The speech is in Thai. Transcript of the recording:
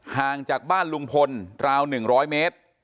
ห่างจากบ้านลุงพลราว๑๐๐เมตร